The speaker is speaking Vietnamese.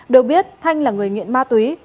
được biết thanh là người nghiện ma túy